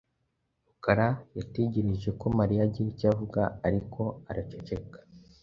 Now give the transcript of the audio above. Rukara yategereje ko Mariya agira icyo avuga, ariko araceceka.